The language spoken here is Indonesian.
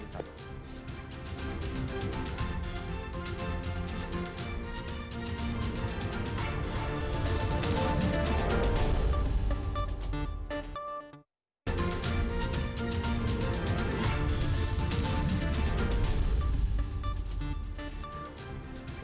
assalamualaikum wr wb